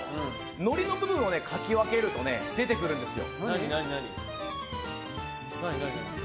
のりの部分をかき分けると出てくるんですよ。